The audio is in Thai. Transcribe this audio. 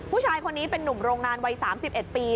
ผู้ชายคนนี้เป็นนุ่มโรงงานวัย๓๑ปี